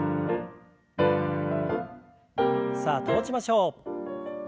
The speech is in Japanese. さあ保ちましょう。